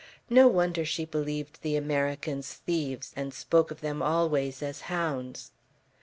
No wonder she believed the Americans thieves, and spoke of them always as hounds.